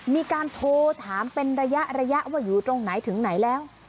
มีการโทรถามเป็นระยะระยะว่าอยู่ตรงไหนถึงไหนแล้ว